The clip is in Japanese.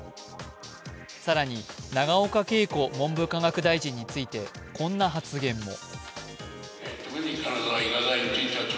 更に、永岡桂子文部科学大臣についてこんな発言も。